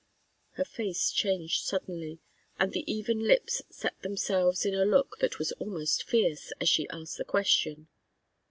Her face changed suddenly, and the even lips set themselves in a look that was almost fierce, as she asked the question.